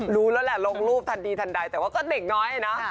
รู้แล้วแหละลงรูปทันทีทันใดแต่ว่าก็เด็กน้อยนะ